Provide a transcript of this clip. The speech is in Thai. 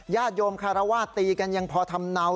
ญาติโยมคารวาสตีกันยังพอทำเนา